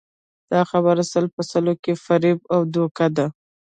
دا خبره سل په سلو کې فریب او دوکه ده